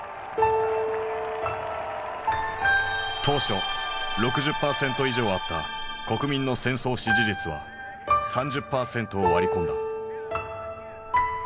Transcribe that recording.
当初６０％以上あった国民の戦争支持率は３０％を割り込んだ。